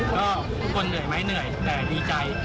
ก็ทุกคนเหนื่อยไหมเหนื่อยแต่ดีใจ